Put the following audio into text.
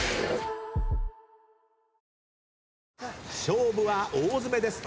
勝負は大詰めです。